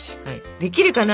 できるかな？